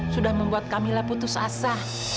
sudah membuat kamilah putus asa